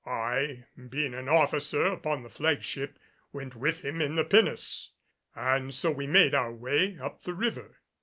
I, being an officer upon the flagship, went with him in the pinnace, and so we made our way up the river.